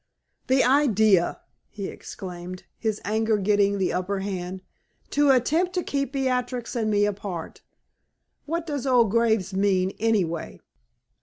"The idea!" he exclaimed, his anger getting the upper hand. "To attempt to keep Beatrix and me apart! What does old Graves mean, anyway?